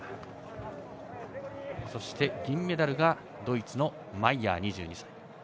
そして銀メダルがドイツのマイヤー、２２歳。